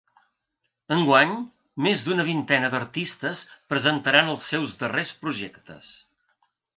Enguany, més d’una vintena d’artistes presentaran els seus darrers projectes.